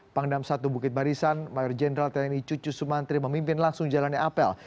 pangdam satu bukit barisan mayor jenderal tni cucu sumantri memimpin langsung jalannya apel